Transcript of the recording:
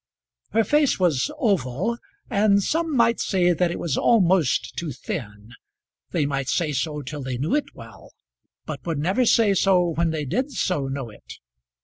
Her face was oval, and some might say that it was almost too thin; they might say so till they knew it well, but would never say so when they did so know it.